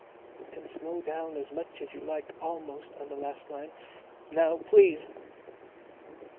You can slow down as much as you like almost on the last line. Now, please."